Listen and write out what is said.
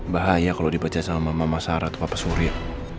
bahaya kalau dibaca sama mama sarah atau papa surya